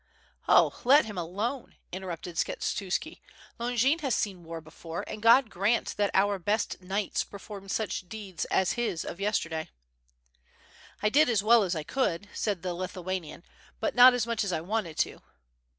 "Oh, let him alone/' interrupted Skshetuski. "Longin has seen war before, and God grant that our best knights per form such deeds as his of yesterday." "1 did as well as 1 could/' said the Lithuanian, "but not as much as I wanted to."